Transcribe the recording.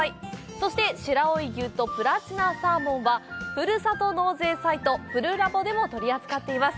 そして、白老牛とプラチナサーモンはふるさと納税サイト「ふるラボ」でも取り扱っています。